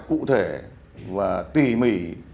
cụ thể và tỉ mỉ